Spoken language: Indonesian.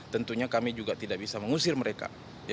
tentunya kami juga tidak bisa mengusir mereka